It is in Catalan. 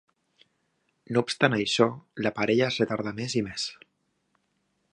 No obstant això, la parella es retarda més i més.